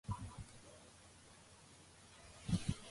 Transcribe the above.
მიუხედავად ამისა ისინი მალე მაინც გაემგზავრნენ რიჩარდთან.